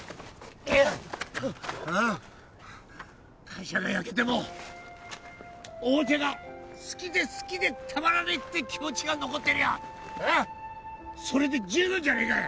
会社が焼けてもおもちゃが好きで好きでたまらねえって気持ちが残ってりゃそれで十分じゃねえか！